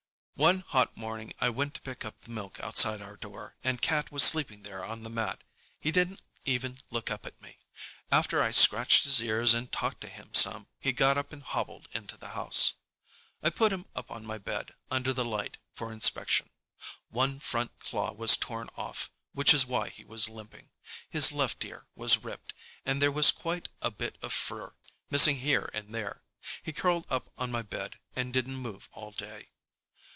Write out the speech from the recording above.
One hot morning I went to pick up the milk outside our door, and Cat was sleeping there on the mat. He didn't even look up at me. After I scratched his ears and talked to him some, he got up and hobbled into the house. I put him up on my bed, under the light, for inspection. One front claw was torn off, which is why he was limping, his left ear was ripped, and there was quite a bit of fur missing here and there. He curled up on my bed and didn't move all day.